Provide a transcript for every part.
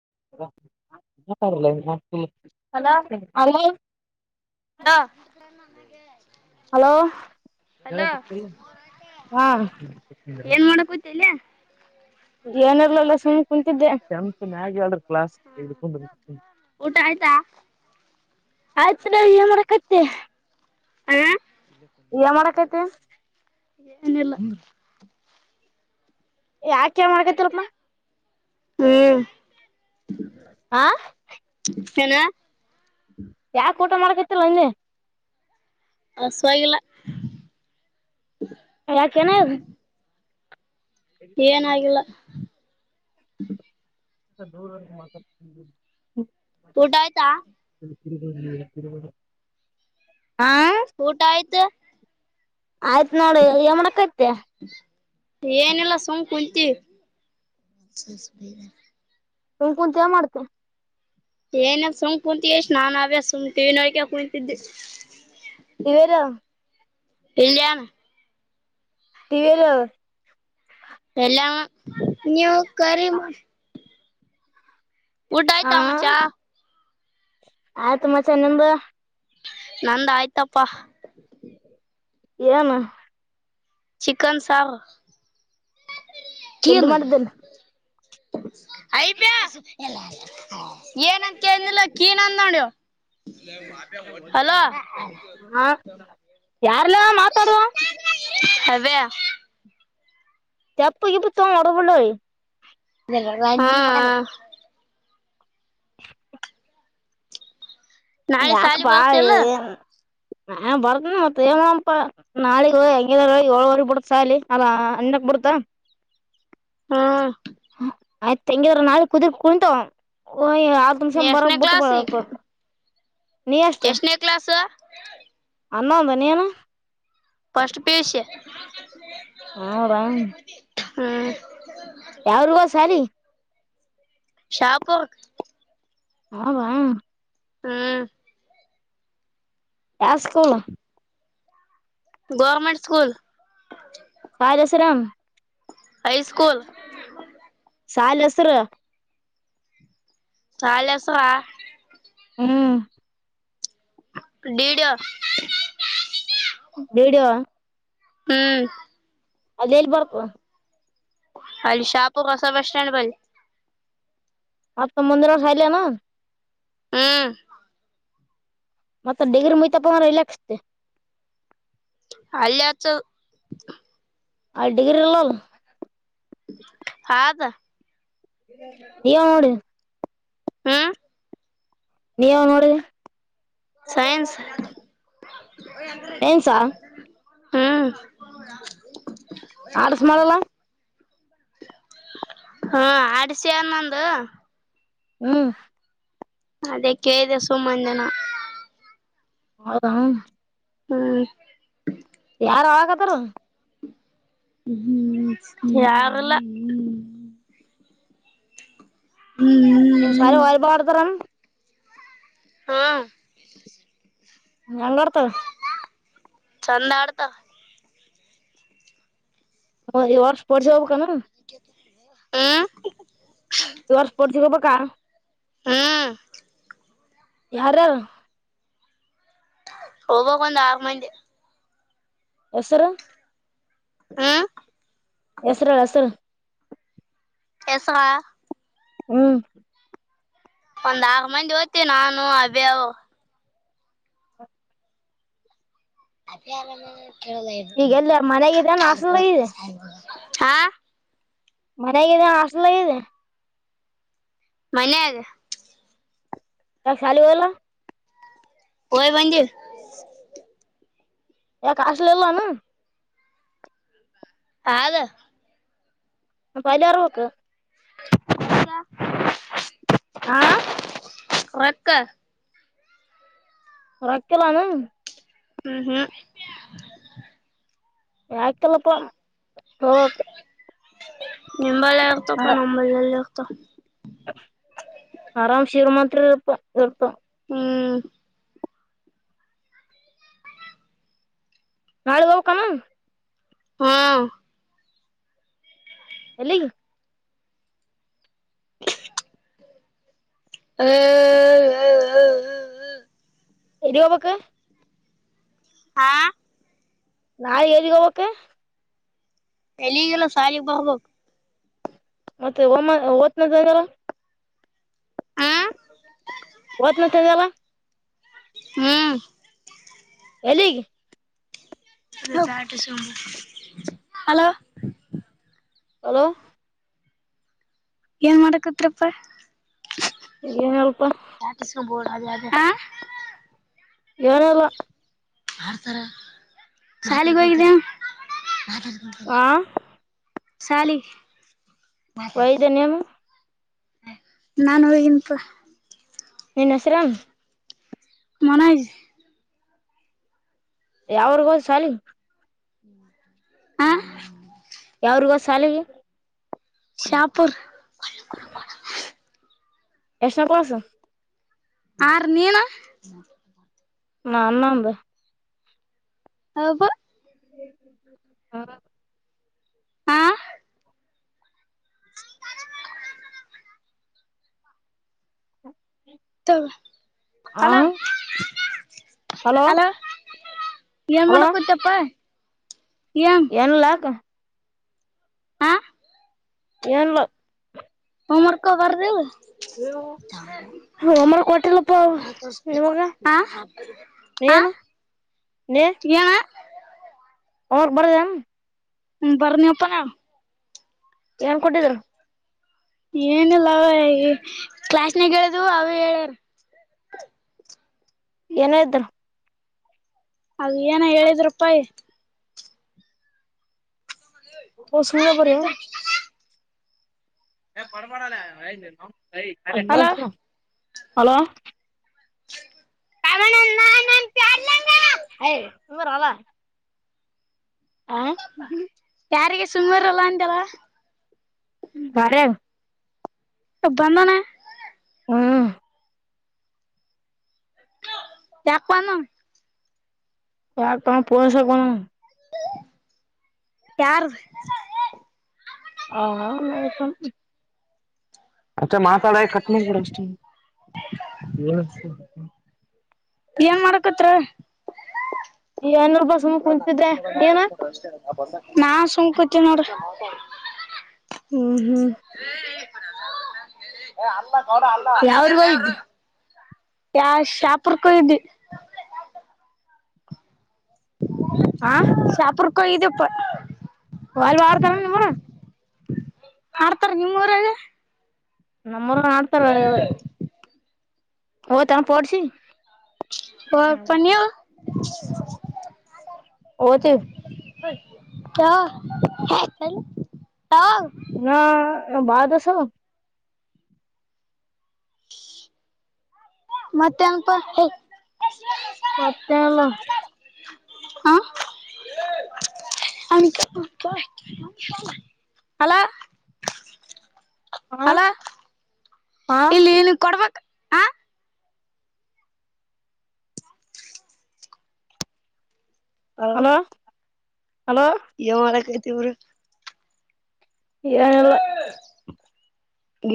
[inaudible] ಹಾ hello hello ಹಾ ಏನ್ ಮಾಡಕೂತಿಲ್ಲ ಏನಾರಲ್ಲಲ್ಲ ಸುಮ ಕುಂತಿದ್ದೆ ಚಮ್ ಚೆನ್ನಾಗಿ ಹೇಳರು ಕ್ಲಾಸ್ಕೊಂಡ ಊಟ ಆಯ್ತಾ ಆಯ್ ಚ ನ ಏ ಮಾಡರಕತ್ತ ಹ ಇ ಮಾಡರ ಕೈತೆ ಏನಲ್ಲ ಯಾಕಮ ಆಗತಿಲ್ಪ್ ಹ್ಮ್ ಆ ಏನ ಯಾಕ ಊಟ ಮಾಡಕತ್ತಿಲ್ಲ ಅಂದೆ ಹಸುವಾಗಿಲ್ಲ ಅಯಾ ಕೆನದು ಏನಾಗಿಲ್ಲ ದ ಮಾಡ ಊಟಯ್ತಾ ಹಾ ಊಟ ಆಯ್ತು. ಆಯ್ತ್ ನೋಡ ಏನ ಮಾಡಕತ್ತಿ ತ್ತ ಏನಲ್ಲ ಸುಮ್ ಕುಂತಿವಿ ಸುಮ್ ಕುಂತ ಏನ ಮಾಡ್ತೀರಿ ಏನ ಸುಮ್ ಕುೂಂತ ಎಷ್ಟ್ ನಾನನ್ ಅಭ್ಯ ಸುಮ್ ಟಿವಿ ನೋಡಕ ಕುೂಂತಿದ್ದಿವಿ ನೀವೇರ ಇಲ್ಲಿಯಾನ ದಿವಲ್ಲ ಎಲ್ಲ ನೀವು ಕರೆ ಮಾಡಿ ಹಾ ಊಟಯ್ತಾ ಮಚ್ಚಾ ಆಯ್ತು ಮಚ್ಚಾ ನಿಮ್ದ ನಂದ ಆಯ್ತಪ್ಪಾ ಏನ ಚಿಕನ್ ಸಾರ ಎಲ್ಲಿ ಮಾಡಿದ್ದಲ್ಲ ಹ ಅಐ ಬ್ಯಾಸ ಎಲ್ಲ ಏನಂತಿ ಕೇಳಿದನಿಲ್ಲ ಕೀನಂದ ನೋಡ ಇವ ಹಲೋ ಯಾರ್ಲ್ಲ ಮಾತಾಡುವ ಹವೇ ಚಪ್ಪು ಇ ಬ ಚ ಹೊಡಬಳ್ಳ ಇ [unintelligible] [inaudible] ನಾಳೆ ಯಾಕ ಸಾಲಿ ಬಾ ಬರ್ತಿಲ್ಲ ಹ ಬರ್ತನ ಮತ್ತತ್ ಪ ನಾಳಗ ಹೆಂಗ ಏಳೂವರಿಗ ಬಿಡತ್ ಶಾಲಿ ಅಲ್ಲ ಅನರಡುಕ್ ಬಿಡತಾ ಹಾ ಆಯ್ತು ತೆಂಗಿದ್ರ ನಾಳ ಕುದರಿ ಕುಂತವ ಆ ತುಮ ಶ ಬರ ಎಷ್ಟನೇ ಬುಟ್ಟು ಕ್ಲಾಸ್ ಪಡ ನಿ ಎಸ್ಟ್ ಎಷ್ಟನೇ ಕ್ಲಾಸ್ [unintelligible] ಅನೂಂದು ನೀ ಫಸ್ಟ್ ಪಿಯುಸಿ ಹಾ ರಾ ಹ್ಮ ಯಾವರಗೂತಿ ಶಾಲಿಗ ಶಾಪುರಕ ಹೌದ ಹ್ಮ್ ಯಾವ ಸ್ಕೂಲ್ ಗೌರ್ಮೆಂಟ್ ಸ್ಕೂಲ್ ರಾಜಾಜಸರಾಮ ಹೈ ಸ್ಕೂಲ್ ಸಾಲಿ ಹೆಸ್ರು ಶಾಲಿ ಹೆಸರಾ ಹ್ಮ ಡಿಡಿಯೋ [unintelligible] ಡಿಡಿಯೋ ಹ್ಮ್ ಅದ ಎಲ್ಲಿ ಬರ್ತವಾ ಅಲ್ಲಿ ಶಾಪುರ ಹೊಸ ಬಸ್ ಸ್ಟ್ಯಾಂಡ್ ಬಲ್ಲಿ ಮತ್ತ ಮುಂದಿನ ವರ್ಷ ಅಲ್ಲೇನು ಹ್ಮ ಮತ್ತತ್ ಡಿಗ್ರ ಮುಯ್ತಪ್ಪಂದ್ರ ರಿಲಯಕ್ಸ್ತೆ ಅಲ್ಲೇ ಹಚ್ಚೋದು ಆ ಡಿಗ್ರಿ ಎಲ್ಲಲ್ಲ ಹಾದ ಅವಣ [unintelligible] ಹಾ. ನೀ ಯಾವಾಗ ನೋಡಿಡಿ. ಸೈನ್ಸ್ ನ್ಸ [inaudible] ಹ್ಮ ಆಡ್ಸ್ ಮಾಡಲ್ಲಾ. ಹಾ ಆಡ್ಸೆ ಅದ ನಂದ. ಹ್ಮ್ ಅದೇ ಕೇಳಿದೆ ಸುಮ್ಮ ಅನ್ನಿ ನಾ. ಹೌದ. ಹ್ಮ್. ಯಾರ ಅಲ್ಲಾಕತ್ತರು. ಹ್ಮ್ ಯಾರಲ್ಲ. ಹ್ಮ್ ನೀನ್ ಶಾಲಿಯಾಗ್ ವಾಲಿಬಾಲ್ ಆಡ್ತಾರ ಏನ್. ಹಾ ಹೆಂಗ ಆಡ್ತವೇ. ಚಂದ ಆಡ್ತಾವ್ ಹ ಈ ವರ್ಷ ಸ್ಪೋರ್ಟ್ಸ್ ಹೋಗಬೇಕು ಏನ. ಹಾ ಈ ವರ್ಷ ಸ್ಪೋರ್ಟ್ಸಗ ಹೋಗ್ಬೇಕು. ಕ್ಕ. ಹ್ಮ್. ಯಾರ. ಹೋಗೋದ ಒಂದ್ ಆರ್ ಮಂದಿ. ಹೆಸರ. ಹ ಹೆಸರ ಹೇಳ್ ಹೆಸರು. ಹೆಸರಾ. ಹ್ಮ್. ಒಂದ ಆರ್ ಮಂದಿ ಹೋಗ್ತೀವಿ ನಾನು ಅಭ್ಯಾ ಅವು. ಅಭ್ಯಾ ಅದು ಈಗ ಕೆಲ್ಲಾಲಗೇತಿ. ಎಲ್ಲಿ ಮನ್ಯಾಗಿದೇನ ಹಾಸ್ಟೆಲ್ದಾಗ ಇದೆ ಹಾ ಮನ್ಯಾಗ ಅದಿ ಏನ್ ಹಾಸ್ಟೆಲ್ದಾಗ ಅದಿ ಮನ್ಯಾಗ. ಮತ್ತ ಶಾಲಿಗ ಹೋಗಲ್ಲ. ಹೋಗಿ ಬಂದಿ. ಯಾಕ ಹಾಸ್ಟೆಲ್ ಇಲ್ಲೇನು. ಅದ. ಅ ಅಲ್ಯರ ವೋಕ್ಕ [inaudible] ಅ ಹಾ ರೊಕ್ಕ. ರೊಕ್ಕ ಇಲ್ಲೇನು. ಹ್ಮ್ ಹ್ಮ್ ಯಾಕ ಇಲ್ಲಪ್ಪ ಹ್ಮ್. [inaudible] ನಿಂಬಲ್ಲ ಆಗ್ತಪ್ಪ ನಂಬಲ್ಲಲ್ ತ್ತ ಆರಾಮ್ ಶಿರಮತ್ರಿ ಇಪ ಇರ್ಪ ಹ್ಮ್ ನಾಳೆ ಹೋಗಕಮ್ಮ ಹಾ ಎಲ್ಲಿಗೆ [inaudible] ಹ ಹ ಹ ಎಲ್ಲಿಗೆ ಹೋಗ್ಬೇಕಾ ಹಾ ನಾ ಎಲ್ಲಿಗೇಹೋಗ್ಬೇಕಾ ಎಲ್ಲಿಗೆಲ್ಲ ಸಾಲಿಗೆ ಬಾ ಹೋಗ್ಬೇಕು ಮತ್ತೆ ಹ ಓತ್ನದನಲ್ಲ ಹ್ಮ್ ಒದತನ ಅಂದಲ್ಲ ಹ್ಮ್ ಎಲ್ಲಿಗೆ ಹಲೋ ಹಲೋ ಏನ್ ಮಾಡಾಕತ್ತೀರ್ ಪ ಏನಿಲ್ಲಪ್ಪ ತಾಟಿಸ್ಕೊಂಡ್ ಹೋಗು ಏನಿಲ್ಲ ಸಾಲಿಗೆ ಹೋಗಿದ್ದೆನ ಆ ಸಾಲಿಗೆ ವೈದ್ಯನ ನಾನ ಹೋಗಿನಪ್ಪ ನಿನ್ ಹೆಸರೇನು ಮನೋಜ್ ಯಾವೂರು ಶಾಲಿ ಹ ಯಾವೂರಿಗೆ ಹೋದ ಸಾಲಿಗೆ ಶಾಪುರ್ ಎಷ್ಟನ ಕ್ಲಾಸ್ ಆರ ನೀನ ನಾ ನಂಬ ಹಬ ಹಾ ಹ ಆ ಹಲೋ ಹಲೋ ಏನ ಮಾಡಕತಪ್ಪ ಎನ್ ಲಾಕ್ ಹ ಏನ್ಲಾ ಹೋಮ್ ವರ್ಕ್ ಬರ್ದಿಲ್ಲ ಒಮ್ಮ ಕೊಟ್ಟಿಲ್ಲಪ್ಪ ನಿಮಗ ಹ ಹ [unintelligible] ಏನ ಔರ್ ಬರೆಯಮ್ ಹ್ಮ್ ಬರ್ನಿ ಅಪ್ಪನ ಏನ್ ಕೊಟ್ಟಿದ್ರು ಏನಿಲ್ಲ ಕ್ಲಾಸ್ನಾಗ ಹೇಳಿದುವು ಅವೇ ಹೇಳ್ಯಾರ ಏನ ಇದ್ರು ಅದ ಏನ ಹೇಳಿದ್ ರೂಪಾಯಿ ಓ ಸಿಂಗ ಬಾರಿಯ ಏ ಪರಪಾಡಲ್ಲ ಅಯ್ ನ ಅಲೋ [unintelligible] ಹಲೋ [unintelligible] ಇವರ ಅಲ ಹ ಯಾರಿಗೆ ಸುಮಾರಲ್ಲ ಅಂದೆಲ್ಲ ಬರಿವ್ ಇಬ್ಬಂದಣ ಹ್ಮ ಚಾಪ್ವನ ಯಾ ತಮ್ ಪೋಸಗಣ ಯಾರ್ ಆ ತ ಏನ್ ಮಾಡಕತ್ರ ಯನು ನಾ ಸುಂಕಟ್ಟ ನೋಡ [unintelligible] ಹ್ಮ್ ಹ್ಮ್ ಯಾವ್ರಗ ಹೋಗಿದ್ದೆ ಯ ಶಾಪುರ್ಕೂ ಕೊ ಇದ್ದಿ ಆ ಕೊ ಇದುಪ್ಪ ಒಲ್ ಬಾರತ [unintelligible] ಮಾಡ್ತಾರ ನಿಮ್ಮೂರಾಗ ನಮ್ಮೂರು ಮಾಡ್ತಾರೆ ಹ ತಮ ಪೋಡಿಸಿ ಪ ಪನಿಯಾ ಓದಿವ್ ಕ್ಯಾ ಹೇ ಬೈಲಿ ಯಾ ನಾ ಅ ಬಾದುಸ ಮತ್ತೆಂಗಪ ಹೇ ಮತ್ತೇಳು ಹಾ ಅಲೋ ಹಾ ಹಲೋ ಹಾ ಇಲ್ಲಿ ನೀವ್ ಕೊಡಬೇಕ್ ಆ ಹಲೋ ಹಲೋ ಯೋ ತಿವ್ರಿ ಏನಿಲ್ಲ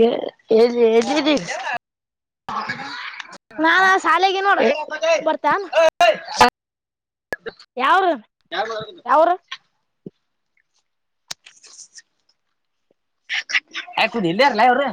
ಎಲ್ ಎಲ್ಲಿ ಎಲ್ಲಿದ್ದಿ [inaudible] ನಾನ ಶಾಲೆಗೆ ನೋಡ ಯಾವ್ರು ಯಾವೂರು ಆ ಕುದುರ್ನಿಂದ್ಯದ್ರುಲ್ಯ ಅವ್ರ್